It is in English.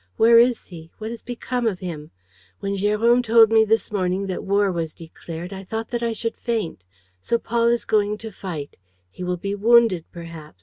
Where is he? What has become of him? When Jérôme told me this morning that war was declared, I thought that I should faint. So Paul is going to fight. He will be wounded perhaps.